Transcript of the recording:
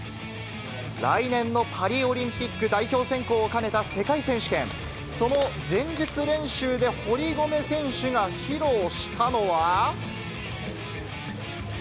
来年のパリオリンピック代表選考を兼ねた世界選手権、その前日練習で、堀米選手が披露したのは。